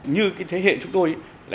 như cái thế hệ chúng tôi